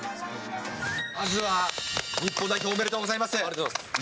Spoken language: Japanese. まずは日本代表、おめでとうありがとうございます。